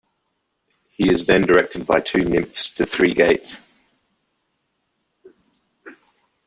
He is then directed by two nymphs to three gates.